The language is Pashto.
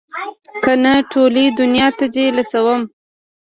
که نه ټولې دونيا ته دې لوڅوم.